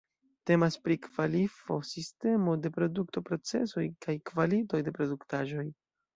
Temas pri kvalifiko-sistemo de produkto-procesoj kaj kvalitoj de produktaĵoj.